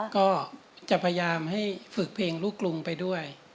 ก็จะพยายามให้ฝึกเพลงลูกกรุงไปด้วย